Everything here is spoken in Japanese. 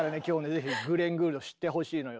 ぜひグレン・グールドを知ってほしいのよ。